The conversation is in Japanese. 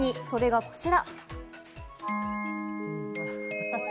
それがこちら。